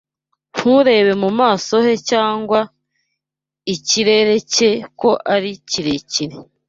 Nturebe mu maso he cyangwa ikirere cye ko ari kirekire